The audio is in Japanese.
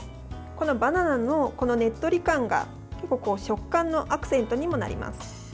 このバナナのねっとり感が食感のアクセントになります。